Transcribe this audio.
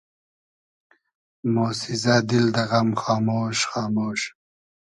موسۉزۂ دیل دۂ غئم خامۉش خامۉش